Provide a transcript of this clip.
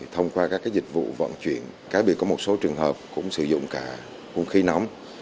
thông qua các dịch vụ vận chuyển cá biệt có một số trường hợp cũng sử dụng cả hung khí nóng